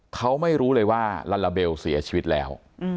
เขาไม่รู้เลยว่าลาลาเบลเสียชีวิตแล้ว